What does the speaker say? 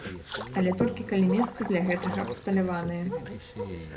Але толькі калі месца для гэтага абсталяванае.